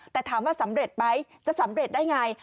แต่ถามว่าสำเร็จไหมจะสำเร็จได้ไง